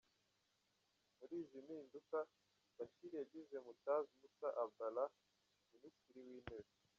Muri izi mpinduka, Bashir yagize Moutaz Mousa Abdallah, Minisitiri w’Intebe.